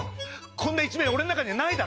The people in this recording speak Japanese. こんな一面俺の中にはないだろ！